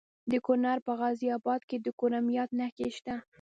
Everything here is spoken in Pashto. د کونړ په غازي اباد کې د کرومایټ نښې شته.